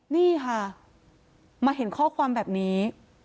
นี่ค่ะมาเห็นข้อความแบบนี้